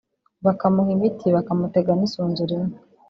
bakamuha imiti bakamutega n’isunzu rimwe